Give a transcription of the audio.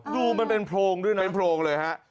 ดูมันเป็นโพรงด้วยนะเป็นโพรงเลยฮะ